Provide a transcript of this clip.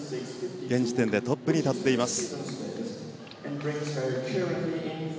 現時点でトップに立っています。